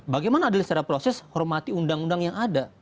bagaimana adil secara proses hormati undang undang yang ada